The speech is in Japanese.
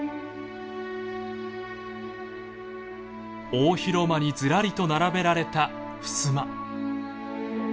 大広間にずらりと並べられたふすま。